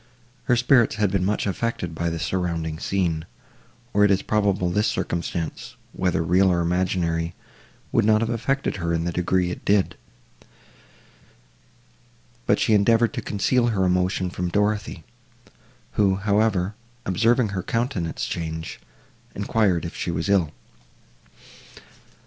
Her spirits had been much affected by the surrounding scene, or it is probable this circumstance, whether real or imaginary, would not have affected her in the degree it did; but she endeavoured to conceal her emotion from Dorothée, who, however, observing her countenance change, enquired if she was ill.